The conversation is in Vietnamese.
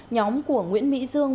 nhóm của nguyễn mỹ dương